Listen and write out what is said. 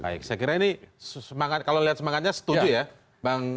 saya kira ini kalau lihat semangatnya setuju ya